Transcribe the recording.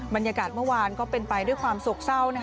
บรรยากาศเมื่อวานก็เป็นไปด้วยความโศกเศร้า